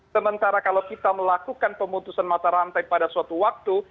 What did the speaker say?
sementara kalau kita melakukan pemutusan mata rantai pada suatu waktu